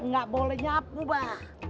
gak boleh nyapu mbak